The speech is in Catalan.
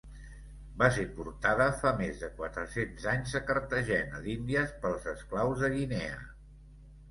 Va ser portada fa més de quatre-cents anys a Cartagena d'Índies pels esclaus de Guinea.